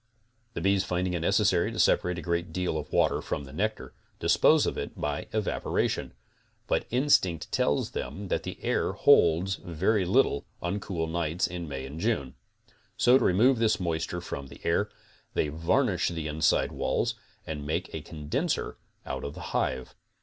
The bees finding it necessary to separate a great deal of water from the nectar, dispose of it by evaporation, but instinct tells them that the air holds very little on cool nights in May and June; so to remove this moisture from the air, they varnish the inside walls and make a condenser out of the hive.